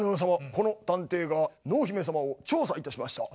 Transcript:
この探偵が濃姫様を調査いたしました。